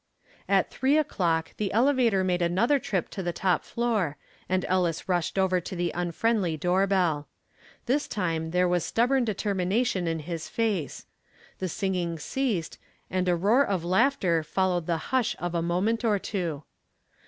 At three o'clock the elevator made another trip to the top floor and Ellis rushed over to the unfriendly doorbell. This time there was stubborn determination in his face. The singing ceased and a roar of laughter followed the hush of a moment or two.